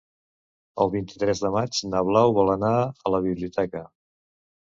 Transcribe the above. El vint-i-tres de maig na Blau vol anar a la biblioteca.